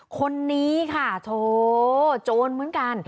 คนนี้ค่ะโถโจรเหมือนกัน